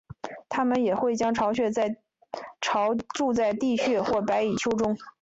它们也会将巢筑在地穴或白蚁丘中。